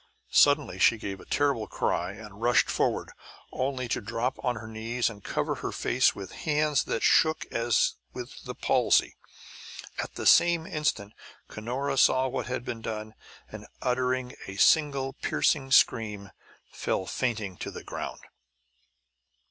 Suddenly she gave a terrible cry and rushed forward, only to drop on her knees and cover her face with hands that shook as with the palsy. At the same instant Cunora saw what had been done; and uttering a single piercing scream, fell fainting to the ground.